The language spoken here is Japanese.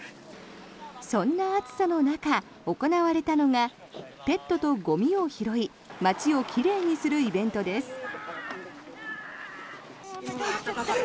そんな暑さの中、行われたのがペットとゴミを拾い街を奇麗にするイベントです。